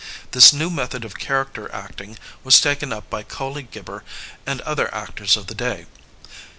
This new method of character act ing was taken up by Colley Gibber and other actors of the day.